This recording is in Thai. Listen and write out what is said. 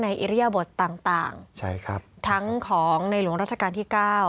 ในอิริยบทต่างทั้งของในหลวงราชกาลที่๙